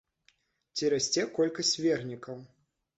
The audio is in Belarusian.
Ці расце колькасць вернікаў?